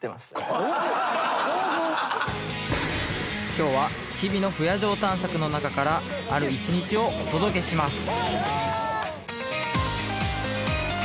今日は日々の不夜城探索の中からある一日をお届けします